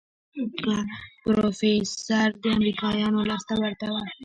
که پروفيسر د امريکايانو لاس ته ورته.